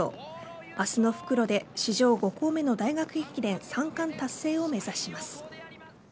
明日の復路で史上５校目の大学駅伝３冠達成を目指します。